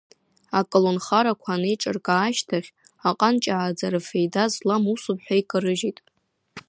Аколнхарақәа анеиҿыркаа ашьҭахь, аҟанҷааӡара феида злам усуп ҳәа икарыжьит.